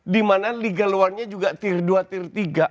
dimana liga luarnya juga tir dua tir tiga